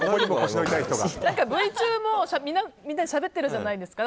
Ｖ中もみんなしゃべってるじゃないですか。